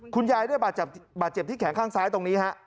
คุณยายได้บาดเจ็บที่แขนข้างซ้ายตรงนี้ฮะ